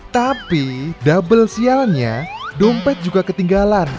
tapi double sialannya dompet juga ketinggalan